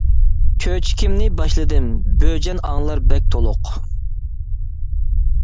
چۆچىكىمنى باشلىدىم، بۆجەن ئاڭلار بەك تولۇق.